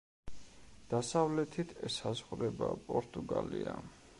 დასავლეთით ესაზღვრება პორტუგალია.